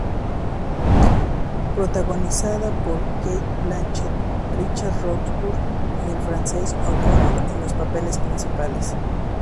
Protagonizada por Cate Blanchett, Richard Roxburgh y Frances O'Connor en los papeles principales.